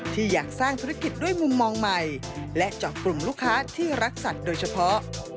ที่อยากสร้างธุรกิจด้วยมุมมองใหม่และเจาะกลุ่มลูกค้าที่รักสัตว์โดยเฉพาะ